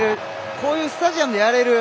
こういうスタジアムでやれる。